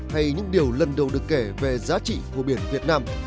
hay những điều lần đầu được kể về giá trị của biển việt nam